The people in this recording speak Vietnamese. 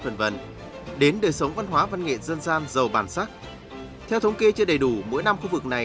v v đến đời sống văn hóa văn nghệ dân gian giàu bản sắc theo thống kê chưa đầy đủ mỗi năm khu vực này